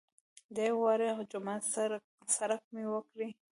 د یوه واړه جومات څرک مې وکړ.